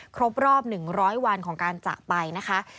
ครบรอบ๑๐๐วันของการจากไปนะคะ